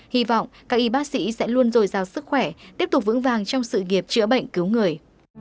hy vọng các y bác sĩ sẽ luôn dồi dào sức khỏe tiếp tục vững vàng trong sự nghiệp chữa bệnh cứu người